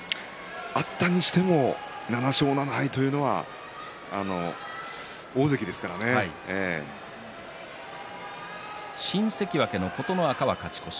あったとしても７勝７敗というのは新関脇の琴ノ若は勝ち越し。